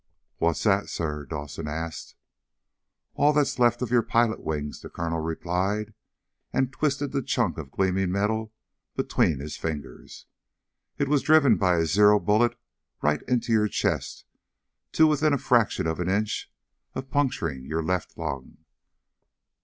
"What's that, sir?" Dawson asked. "All that's left of your pilot's wings," the colonel replied, and twisted the chunk of gleaming metal between his fingers. "It was driven by a Zero bullet right into your chest to within a fraction of an inch of puncturing your left lung."